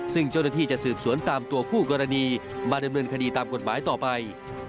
ซึ่งเจ้าหน้าที่จะสืบสวนตามตัวคู่กรณีมาดำเนินคดีตามกฎหมายต่อไป